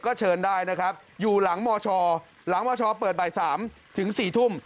ก็เชิญได้นะครับอยู่หลังมชหลังมชเปิดบ่าย๓ถึง๔ทุ่ม